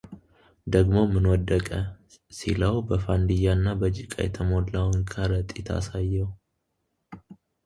ደግሞ ምን ወደቀ?” ሲለው በፋንድያና በጭቃ የተሞላውን ከረጢት አሳየው፡፡